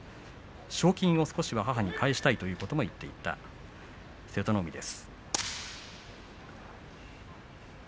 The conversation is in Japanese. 賞金を少しは母に返したいということも言っていた瀬戸の海です。